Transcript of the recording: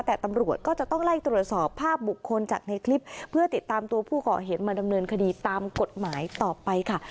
แต่ตำรวจก็จะต้องไล่ตรวจสอบภาพบุคคลจากในคลิปเพื่อติดตามตัวผู้ก่อเหตุมาดำเนินคดีตามกฎหมายต่อไปค่ะ